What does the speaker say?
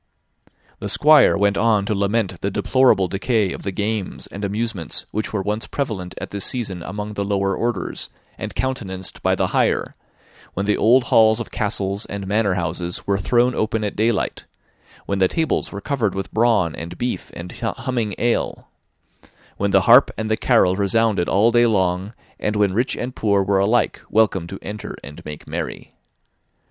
'" The Squire went on to lament the deplorable decay of the games and amusements which were once prevalent at this season among the lower orders, and countenanced by the higher: when the old halls of castles and manor houses were thrown open at daylight; when the tables were covered with brawn, and beef, and humming ale; when the harp and the carol resounded all day long, and when rich and poor were alike welcome to enter and make merry.